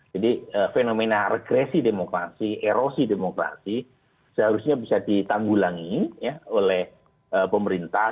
jadi fenomena regresi demokrasi erosi demokrasi seharusnya bisa ditanggulangi oleh pemerintah